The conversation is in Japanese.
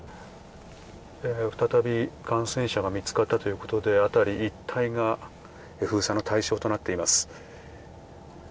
再び感染者が見つかったということで辺り一帯が封鎖の対象となっています。